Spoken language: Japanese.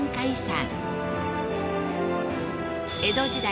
江戸時代